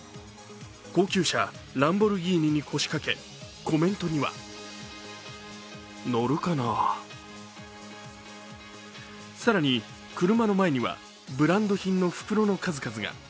高級車・ランボルギーニに腰掛け、コメントには更に、車の前にはブランド品の袋の数々が。